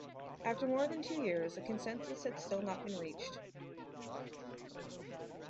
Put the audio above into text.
After more than two years, a consensus had still not been reached.